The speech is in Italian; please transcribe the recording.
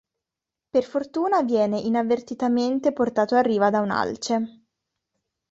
Per fortuna viene inavvertitamente portato a riva da un alce.